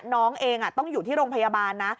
น้องเองต้องอยู่ที่โรงพยาบาลนะ